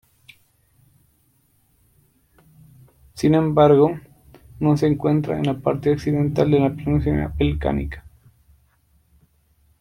Sin embargo, no se la encuentra en la parte occidental de la Península balcánica.